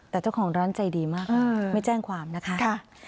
แต่เจ้าของร้านใจดีมากไม่แจ้งความนะคะ